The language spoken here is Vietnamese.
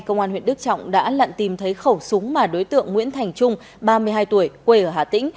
công an huyện đức trọng đã lặn tìm thấy khẩu súng mà đối tượng nguyễn thành trung ba mươi hai tuổi quê ở hà tĩnh